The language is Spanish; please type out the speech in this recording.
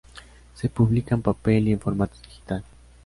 Se publica en papel y en formato digital.